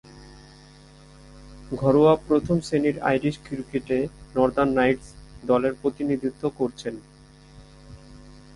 ঘরোয়া প্রথম-শ্রেণীর আইরিশ ক্রিকেটে নর্দার্ন নাইটস দলের প্রতিনিধিত্ব করছেন।